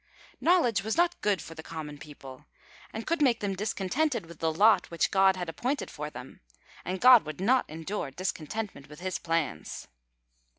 Knowledge was not good for the common people, and could make them discontented with the lot which God had appointed for them, and God would not endure discontentment with His plans.